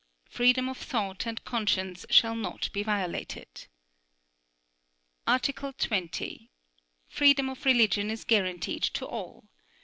Freedom of thought and conscience shall not be violated. Article 20. Freedom of religion is guaranteed to all.